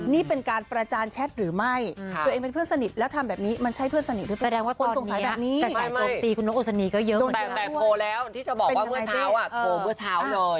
ที่จะบอกว่าเมื่อเช้าอ่ะโทรเมื่อเช้าเลย